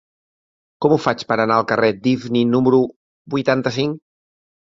Com ho faig per anar al carrer d'Ifni número vuitanta-cinc?